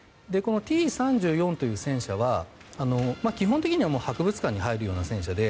このＴ３４という戦車は基本的には博物館に入るような戦車で